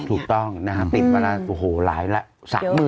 ถูกต้องนะครับติ๊มเวลาโอ้โหร้ายแล้ว